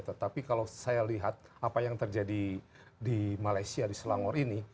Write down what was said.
tetapi kalau saya lihat apa yang terjadi di malaysia di selangor ini